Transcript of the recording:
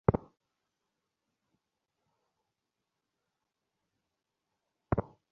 তিনি একটি দুর্গ নির্মানের প্রয়োজনীতা গভীরভাবে অনুভব করেন।